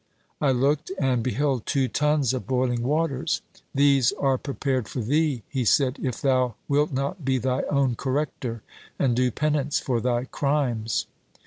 I looked and beheld two tuns of boiling waters. 'These are prepared for thee,' he said, 'if thou wilt not be thy own corrector, and do penance for thy crimes!'